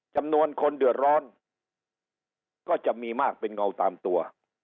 จำนวนคนเดือดร้อนก็จะมีมากเป็นเงาตามตัว